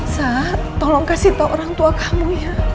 sa tolong kasih tau orang tua kamu ya